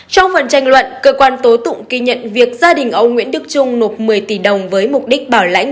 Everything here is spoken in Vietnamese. trong phần tranh luận cơ quan tố tụng ghi nhận việc gia đình ông nguyễn đức trung nộp một mươi tỷ đồng với mục đích bảo lãnh